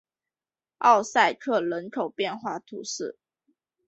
奥萨克人口变化图示